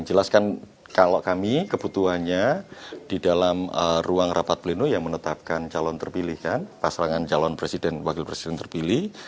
jelaskan kalau kami kebutuhannya di dalam ruang rapat pleno yang menetapkan calon terpilih kan pasangan calon presiden dan wakil presiden terpilih